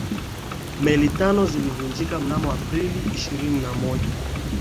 meli tano zilizovunjika mnamo aprili ishilini na moja